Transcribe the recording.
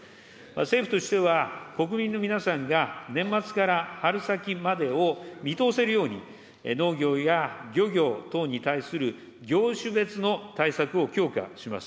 政府としては、国民の皆さんが年末から春先までを見通せるように、農業や漁業等に対する業種別の対策を強化します。